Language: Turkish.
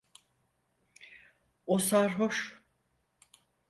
O sarhoş.